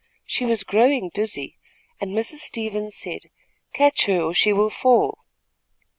She was growing dizzy, and Mrs. Stevens said: "Catch her, or she will fall."